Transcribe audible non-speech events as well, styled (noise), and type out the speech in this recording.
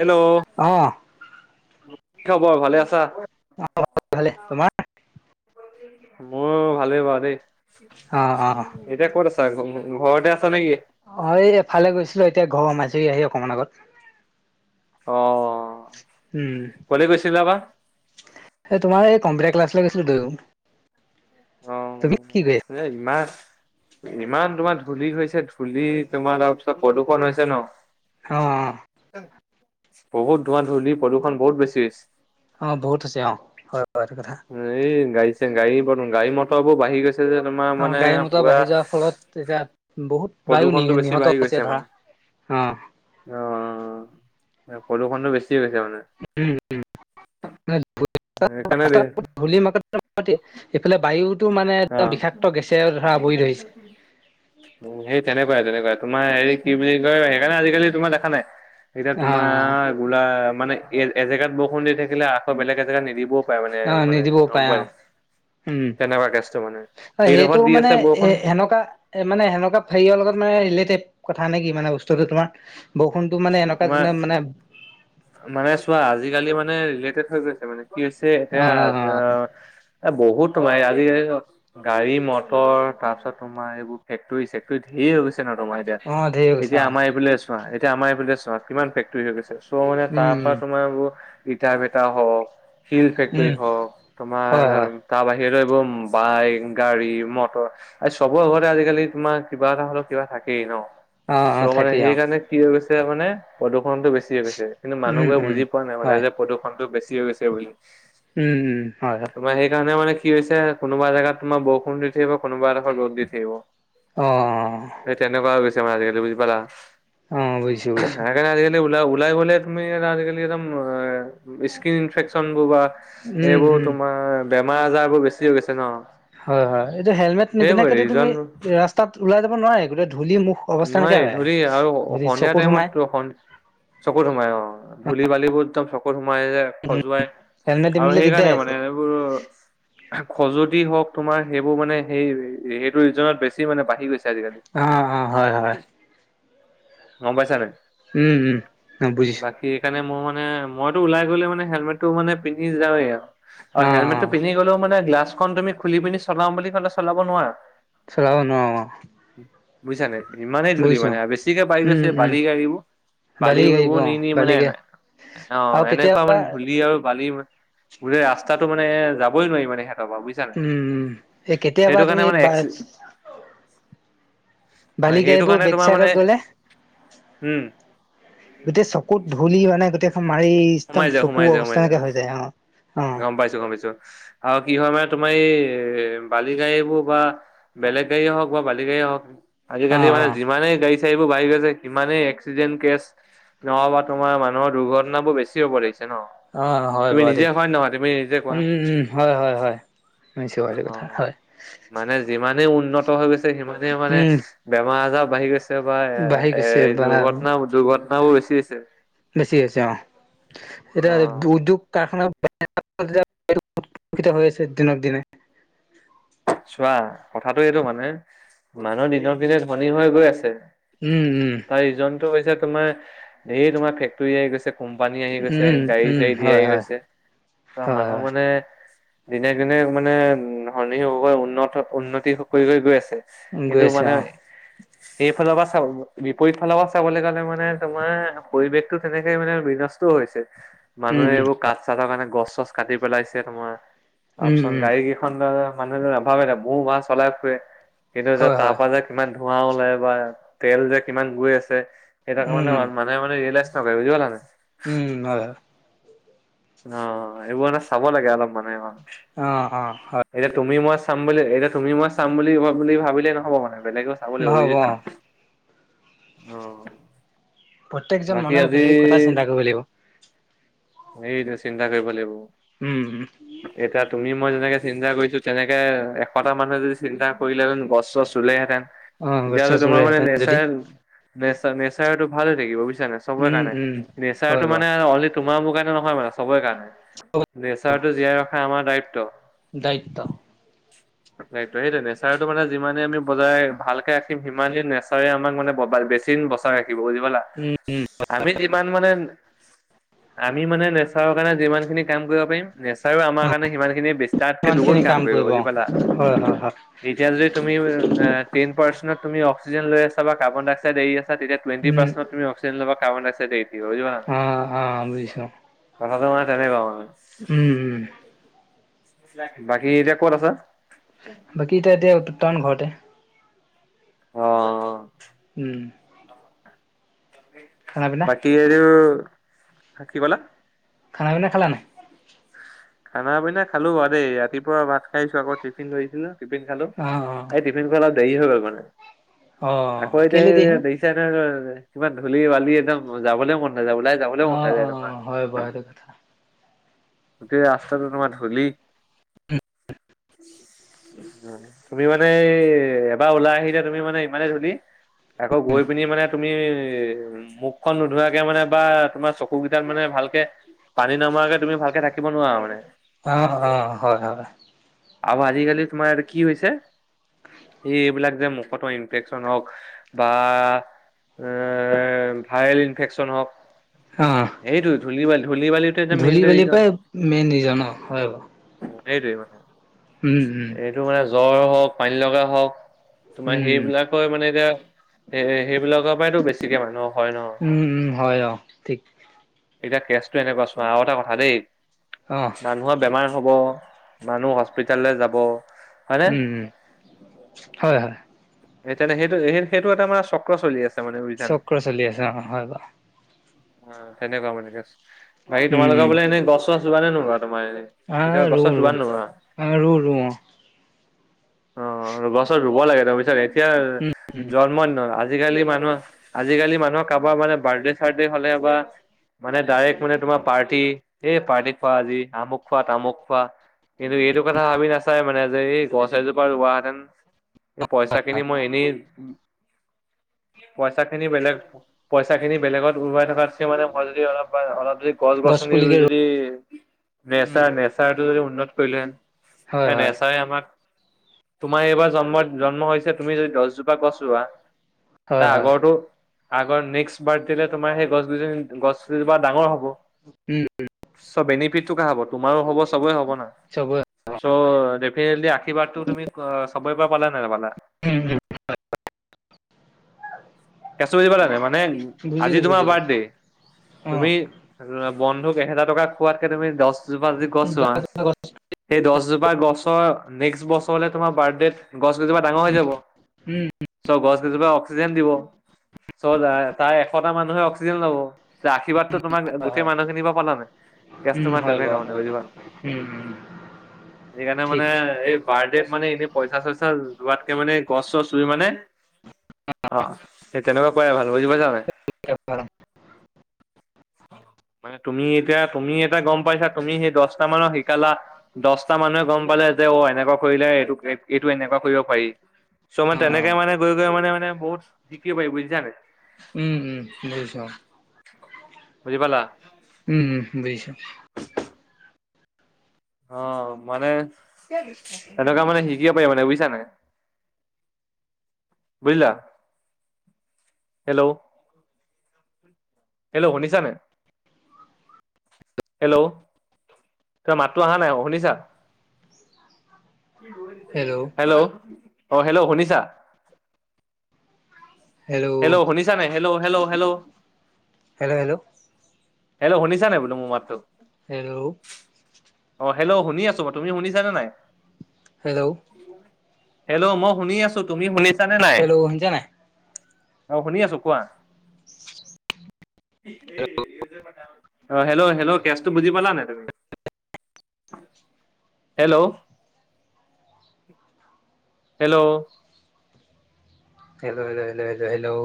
Hello অ' কি খবৰ, ভালে আছা? অ' আছোঁ ভালে, তোমাৰ? (unintelligible) মোৰ ভালেই বাৰু দেই। অ অ এতিয়া ক'ত আছা, ঘৰতে আছা নেকি? অ' এই এফালে গৈছিলো এতিয়া ঘৰৰ সোমাইছোঁহি আহি অকমান আগত। অ', উম, ক'লে গৈছিলা বা? এ তোমাৰ এই কম্পটাৰ ক্লাছলৈ গৈছিলো দুয়ো, অ', তুমি কি কৰি আছা? এ ইমান ইমান তোমাৰ ধূলি হৈছে ধূলি তোমাৰ তাৰপিছত প্ৰদূষণ হৈছে ন। অ'অ' বহুত ধোৱা ধুলি প্ৰদূষণ বহুত বেছি হৈছে। অ'বহুত হৈছে অ'অ' হয় এইটো কথা। এই গাড়ীছে গাড়ী, গাড়ী মটৰবোৰ বাঢ়ি গৈ অ' গাড়ী মটৰ বাঢ়ি যোৱাৰ ফলত এতিয়া বহুত বায়ু প্ৰদূষণটো বেছি নিহত বাঢ়ি হৈছে গৈছে ধৰা। মানে। অ', অ' প্ৰদূষণটো বেছি হৈছে মানে। (unintelligible) সেইকাৰণে দে ধূলি মাকতি (unintelligible) এইফালে বায়ুতো মানে একদম অ'। বিষাক্ত গেছেৰে ধৰা আৱৰি ধৰিছে। উম, সেই তেনেকুৱাই, তেনেকুৱা তোমাৰ হেৰি কি বুলি কয় সেইকাৰণে আজিকালি তোমাৰ দেখা নাই এতিয়া অ তোমাৰ গোলা মানে এ এজেগাত বৰষুণ দি থাকিলে আকৌ বেলেগ এজেগাত নিদিব প মানে, অ মানে নিদিবও গম পাৰে অ পোৱাই উম তেনেকুৱা কেচ সেইটো এইডোখৰত দি মানে আছে এ বৰষুণ। সেনেকুৱা মানে সেনেকুৱা ফেৰিয়ৰ লগত মানে ৰিলেটেড কথা নে কি মানে বস্তুটো তোমাৰ বৰষুণতটো মানে এনেকুৱা তোমাৰ যেন মানে মানে চোৱা আজিকালি মানে ৰিলেটেড হৈ গৈছে মানে কি হৈছে অ এতিয়া এ বহুত ওলায় আজি এই গাড়ী মটৰ তাৰ পিছত তোমাৰ এইবোৰ ফেক্টৰী চেক্তৰী ধেৰ হৈ গৈছে ন তোমাৰ। অ অ ধেৰ গৈছে এতিয়া অ আমাৰ এইফুলে চোৱা এতিয়া আমাৰ এইফালে চোৱা কিমান ফেক্টৰী হৈ গৈছে চ' মানে উম তাৰ পৰা উম তুম তোমাৰ ইটাৰ ভেটা হওক, শিল ফেক্টৰী উম হওক হয় তোমাৰ হয় তাৰ বাহিৰেও এইবোৰ বাইক, গাড়ী মটৰ আৰু চবৰে আগতে আজিকালি তোমাৰ কিবা এটা হলেও কিবা থাকেই ন। অ অ চ' মানে থাকেই অ সেইকাৰণে কি গৈছে মানে প্ৰদূষণটো বেছি হৈ গৈছে। কিন্তু উম মানুহবোৰে উম বুজি পোৱা নাই হয় মানে যে প্ৰদূষণতটো বেছি হৈ গৈছে বুলি। উম, উম, হয়, হয়। তোমাৰ সেইকাৰণে মানে কি হৈছে কোনোবা জেগাত তোমাৰ বৰষুণ দি থাকিব কোনোবা এডখৰ ৰদ দি থাকিব। অ', সেই তেনেকুৱা গৈছে মানে আজিকালি বুজি পালা। উম, বুইছো, বুইছো। সেইকাৰণে আজিকালি উলাই, উলাই গলে তমি আজিকালি একদম স্কিন ইনফেকচন বোৰ বা উম এইবোৰ উম তোমাৰ বেমাৰ আজাৰ বোৰ বেছি হৈ হৈছে ন। হয়, হয় এইটো হেলমেট সেইবোৰে নিপিধাকেতো তুমি ৰিজন ৰাস্তাত ওলাই যাব নোৱাৰে গোটেই ধূলি মুখ অৱস্থা নাইকিয়া নোৱাৰ হৈ আহে ধুলি আৰু ধূলি সন্ধিয়া চকুত সোমাই টাইমত চকুত সোমাই অ' ধূলি-বালিবোৰ একদম চকুত সোমাই যে সজুৱাই হেলমেট আৰু নিপিন্ধিলে দিগদাৰে সেইকাৰণে আছে মানে এনেবোৰ খজুৱতি হওক তোমাৰ সেইবোৰ মানে সেই সেইটো ৰিজনত বেছি মানে বাঢ়ি গৈছে আজিকালি। অ'অ' হয়, হয়। গম পাইছা‌ নে! উম, উম, অ বুজিছো। বাকী, সেইকাৰণে মোৰ মানে, মইতো ওলাই গ'লে মানে, হেলমেটটো মানে পিন্ধি যাওঁৱেই আৰু। অ, হেলমেটটো পিন্ধি গ'লেও মানে, গ্লাচখন তুমি খুলি পিনি চলাম বুলি ক'লে চলাব নোৱাৰা। চলাব নোৱাৰো অ। বুজিছা নে! ইমানেই ধূলি বুজিছো মানে, আৰু বেছিকে বাঢ়ি উম গৈছে উম বালি গাড়ীবোৰ, বালি গাড়ী বালিবোৰ অ নি- নি বালি মানে গাড়ী অ, আৰু এনেকুৱা কেতিয়াবা মানে ধূলি আৰু বালি গোটেই ৰাস্তাটো মানে যাবই নোৱাৰি সিহঁৰ পৰা, বুজ উম এই ছা। কেতিয়াবা সেইটো তুমি কাৰণে মানে বা এক বালি গাড়ী সেইটো বোৰ কাৰণে তোমাৰ বেকচাইত মানে গ'লে উম। গোটেই চকুত ধূলি মানে গোটেইখন মাৰি সোমাই একদম যায় চকু সোমাই যায় অৱস্থা সোমাই নাইকিয়া হৈ যায়। অ, অ। গম পাইছো, গম পাইছো। আৰু কি হয়, মানে তোমাৰ এই বালি গাড়ীবোৰ বা বেলেগ গাড়ীয়ে হওক বা বালি গাড়ীয়ে হওক, অ আজিকালি মানে যিমানেই গাড়ী সেইবোৰ বাঢ়ি গৈছে, সিমানেই এক্সিডেন্ট কেছ নহ'বা তোমাৰ মানুহৰ দুৰ্ঘ ঘটনাবোৰ বেছি হ'ব লৈছে ন! অঁ, হয় তুমি বাৰু নিজে দেই! হয় নহয় তুমি নিজে কোৱা উম, হয়, হয়, হয়, শুনিছোঁ বাৰু, এইটো অ কথা, হয়। মানে যিমানেই উন্নত হৈ গৈছে, সিমানেই মানে উম বেমাৰ-আজাৰ বাঢ়ি গৈছে বা বাঢ়ি গৈছে এই বা দুৰ্ঘটনা-দুৰ্ঘটনা বোৰ বেছি হৈছে। বেছি হৈছে অ, অ এতিয়া উদ্যোগ কাৰখানা (unintelligible) দিনক দিনে। চোৱা, কথাটো এইটো মানে, মানুহ দিনক দিনে ধনী হৈ গৈ আছে উম, উম। এই জনটো হৈছে তোমাৰ, এই তোমাৰ ফেক্টৰী আহি গৈছে কোম্পানী আহি গৈছে, উম, উম, গাড়ী-চাড়ী ধেৰ হয়, আহি হয়, গৈছে, ত', হয়, মানুহ মানে দিনে-দিনে মানে উম, ধনী হ'ব গৈ, উন্নত-উন্নতি কৰি-কৰি গৈ আছে। হয়, কিন্তু গৈ আছে মানে অ', সেইফালৰ পৰা চাব, বিপৰীত ফালৰ পৰা চাবলৈ গ'লে মানে, তোমাৰ পৰিৱেশটো তেনেকে মানে বিনষ্ট হৈছে। উম, মানুহে উম। এইবোৰ কাঠ-চাঠৰ কাৰণে গছ-চছ কাটি পেলাইছে তোমাৰ, উম, তাৰপিছত উম, গাড়ী কেইখন ধৰা মানুহ নাভাবে ন, ভু-ভা চলাই ফুৰে, কিন্তু যে হয়, তাৰ হয়, পৰা যে কিমান ধোৱা ওলাই বা তেল যে কিমান গৈ আছে, সেই উম, (unintelligible) (unintelligible) মানে ৰিয়েলাইজ নকৰে, বুজি পালা নে! উম, হয়, হয়। অ, অ, এইবোৰ মানে চাব লাগে, অলপ মানুহে। অ, অ, (unintelligible) এতিয়া তুমি মই চাম বুলি, এতিয়া তুমি মই চাম বুলি-বুলি ভাবিলে নহ'ব, মানে বেলেগ চাব লাগিব, নহ'ব বুজিছা! অ', অ প্ৰত্যেকজন বাকী মানুহে আজি ভিতৰি কথা চিন্তা কৰিব লাগিব। এইটোৱে চিন্তা কৰিব লাগিব। উম, উম। এতিয়া তুমি মই যেনেকে চিন্তা কৰিছো, তেনেকে এশটা মানুহে যদি চিন্তা কৰিলে হন গছ-চছ ৰুলেহেতেন, অ', গছ তেতিয়য়াহ'লে চছ তোমাৰ মানে ৰুলেহেঁতেন যদি, নেচাৰেল নেচ- নেচাৰটো ভালে থাকিব বুজিছা নাই, চবৰে উম, কাৰণে। উম। নেচাৰটো হয় বাৰু, মানে আৰু অনলী তোমাৰ মোৰ কাৰণে নহয় মানে চবৰেই কাৰণে নেচাৰটো জীয়াই ৰখা আমাৰ দায়িত্ব। দায়িত্ব। (inaudible) সেইটো নেচাৰটো মানে যিমানে আমি বজাৰ ভালকে ৰাখিম সিমানেই নেচাৰ আমাক মানে বেছিদিন ৰাখিব বুজি পালা। উম উম। আমি যিমান মানে আমি মানে নেচাৰৰ কাৰণে যিমান খিনি কাম কৰিব পাৰিম নেচাৰও আমাৰ অ', কাৰণে সিমান খিনি বিস্তাতকে দুগুণ কাম কৰিব বুজি পালা। হয়, হয়, হয়, এতিয়া যদি তুমি টেন পাৰ্চেন্টত তুমি অক্সিজেন লৈ আছা বা কাৰ্বন ডাই অক্সাইড এৰি আছা তেতিয়া টুৱেন্টি উম, পাৰ্চত তুমি অক্সিজেন লবা কাৰ্বন ডাই অক্সাইড এৰি দিবা বুজি পালা। অ', অ', বুজিছোঁ, কথাটো মানে তেনেকুৱা মানে। উম উম। বাকী এতিয়া ক'ত আছ? বাকী এতিয়া এতিয়া উত্তান ঘৰতে। অ। উম। (unintelligible) খানা পিনা? কি এইটো কি কলা। খানা পিনা খালা নাই। খানা পিনা খালো বা দেই ৰাতিপুৱা ভাত খাই আহিছো আকৌ টিফিন লৈ আহিছিলো টিফিন খালো। অ', অ'। টিফিন খোৱা অলপ দেৰি হৈ গ'ল মানে অ আকৌ এতিয়া কেলে দেই হ'ল দে এতিয়া ধৰ কিমান ধূলি বালি একদম যাবলে মন নাযায় ওলাই যাবলৈ মন অ', নাযায় তোমাৰ অ', হয় বাৰু সেইটো কথা। গোটেই ৰাস্তাটো তোমাৰ ধূলি তুমি ইমান মানে এবাৰ ওলাই আহিলা তুমি মানে ইমানে ধূলি আকৌ গৈ পিনি মানে তুমি মোখ খন নোধুৱাকে মানে বা তোমাৰ চকু কেইটাত মানে ভালকে পানী নমাকে তুমি ভাল থাকিব নোৱাৰা মানে। অ', অ', হয় হয়। আৰু আজিকালি তোমাৰ কি হৈছে এই এইবিলাক যে মুখতো ইনফেকচন হওক বা এ ভাইৰেল ইনফেকচন হওক অ এইটো ধূলি বালি ধূলি বালিটো এটা মেইন ধূলি বালিৰ ৰিজন। পৰাই মেইন ৰিজন অ হয় বাৰু সেইটোৱে মানে। উম উম। তোৰ মানে জ্বৰ হওক পানী লগা হওক তোমাৰ উম সেইবিলাক তই মানে এতিয়া এ সেইবিলাকৰ পৰাইতো বেছি (unintelligible) হয় ন। উম উম হয় অ ঠিক এতিয়া কেচটো এনেকুৱা চোৱা আৰু এটা কথা দেই অ',। মানুহৰ বেমাৰ হব মানুহ হস্পিতাললৈ যাব। হয়নে উম উম হয় হয়। এতিয়াটো সেইটো সেই সেইটো এটা মানে চক্ৰ চলি আছে মানে বুজিছা নাই চক্ৰ চলি আছে অ হয় বাৰু অ তেনেকুৱা মানে বাকী উম তোমালোকৰ উম ফালে এনেই গছ চছ ৰোৱা নে নোৰোৱা তোমাৰ এনে কেতিয়াবা গছ-চছ ৰোৱান নোৰোৱা? আ ৰোও ৰোও অ। অ, গছ-চছ ৰোব লাগে তুমি বুইছানে। এতিয়া উম জন্মদিনত আজিকালি মানুহ আজিকালি মানুহৰ কাৰোবাৰ মানে বাৰ্থডে-চাৰ্থডে হ'লে বা মানে ডাইৰেক্ট মানে তোমাৰ পাৰ্টি এই পাৰ্টি খোৱা আজি আমুক খোৱা, তামুক খোৱা কিন্তু এইটো কথা ভাবি নাচাই মানে যে এই গছ এজোপা ৰুৱাহেঁতেন। এই পইচাখিনি মই এনেই পইচাখিনি বেলেগ পইচাখিনি বেলেগত উৰুৱাই থকাতচে মানে মই যদি অলপ বা অলপ যদি গছ গছ-গছনি পুলিকে ৰুই ৰু যদি উম নেচাৰ নেচাৰটো যদি উন্নত কৰিলোহেঁতেন। হয় এ হয় নেচাৰে আমাক তোমাৰ এইবাৰ জন্মত জন্ম হৈছে তুমি যদি দচজোপা গছ ৰোৱা হয় তাৰ হয় আগৰটো আগৰ নেক্সট বাৰ্থডেলে তোমাৰ সেই গছ গছ গিজোপা ডাঙৰ হ'ব। উম চ' বেনিফিটটো কাৰ হ'ব তোমাৰো হ'ব চবৰে হ'ব নে? চবৰে চ' ডেফিনেটলি আশীৰ্বাদটো তুমি চবৰে পৰা পালা নে নাপালা? উম উম হয় হয়। কেচটো বুজি পালা নে মানে আজি বুজিলো তোমাৰ বুজিলো বাৰ্থডে অ তুমি তোমাৰ বন্ধুক এহেজাৰ টকা খোৱাতকে তুমি দচ জোপা যদি গছ উম ৰুৱা সেই দচ জোপা গছৰ নেক্সট বছৰলে তোমাৰ বাৰ্থডেত গছ গিজোপা ডাঙৰ হৈ যাব। উম। চ' গছ গিজোপায়ে অক্সিজেন দিব। চ' তাৰ এশটা মানুহে অক্সিজেন ল'ব। যে আশীৰ্বাদটো তোমাৰ হয় গোটেই হয় মানুহখিনি পা পালা নে উম কেচটো মানে হয় বাৰু তেনেকুৱা মানে হয় বাৰু বুজি পালা। উম উম। সেইকাৰণে ঠিক মানে এই বাৰ্থডেত মানে এনেই পইচা-চইচা যোৱাতকে মানে গছ-চছ ৰুই মানে অ সেই তেনেকুৱা কৰাই ভাল বুজি পইছা নে? (unintelligible) (inaudible) মানে তুমি এতিয়া তুমি এতিয়া গম পাইছা তুমি সেই দচটা মানুহক শিকালা দচটা মানুহে গম পালে যে অ এনেকুৱা কৰিলে এইটো এইটো এনেকুৱা কৰিব পাৰি। চ' মানে অ', তেনেকে মানে গৈ গৈ মানে মানে বহুত শিকিব পাৰি বুজিছানে। উম উম বুজিছো অ। বুজি পালা? উম উম বুজিছো বুজিছো। অ মানে এনেকুৱা মানে শিকিব পাৰি মানে বুইছা নে? বুজিলা? হেল্ল। হেল্ল শুনিছা নে হেল্ল? তোমাৰ মাতটো অহা নাই শুনিছা? হেল্ল। অ হেল্ল, শুনিছা? হেল্ল শুনিছা নে hello hello hello? Hello, hello, hello শুনিছা নে বোলো মোৰ মাতটো? হেল্ল। অ হেল্ল শুনি আছো মই। তুমি শুনিছা নে? হেল্ল। হেল্ল' মই শুনি আছো তুমি শুনিছা? হেল্ল' শুনিছা নে নাই? অ', শুনি আছোঁ কোৱা। অ', হেল্ল' হেল্ল' কেচটো বুজি পালা নে তুমি, hello? Hello? Hello hello hello hello hello?